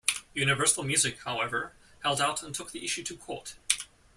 Universal Music, however, held out and took the issue to court.